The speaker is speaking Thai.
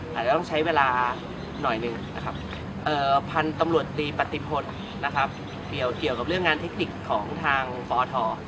อาจจะต้องใช้เวลาหน่อยหนึ่งพันธุ์ตำรวจดีปฏิพทธ์เกี่ยวกับเรื่องงานเทคนิคของทางปธ